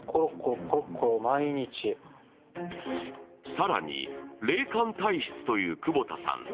更に、霊感体質という窪田さん。